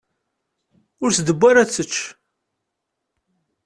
Ur as-d-tewwi ara ad tečč.